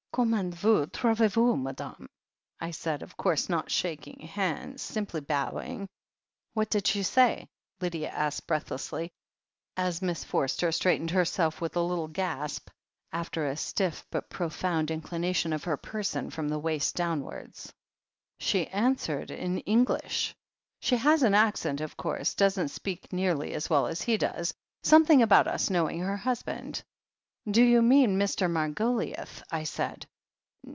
'Comment vous trouvez vous, M'dahmef I said. Of course, not shaking hands — simply bowing." "What did she say?" Lydia asked breathlessly, as Miss Forster straightened herself with a little gasp, after a stiff but profound inclination of her person from the waist downwards. i82 THE HEEL OF ACHILLES "She answered in English. She has ah accent, of course— doesn't speak nearly as well as he does. Some thing about us knowing her husband. 'Do you mean Mr. Margoliouth ?' I said.